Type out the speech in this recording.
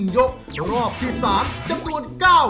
ยกรอบที่๓จำนวน๙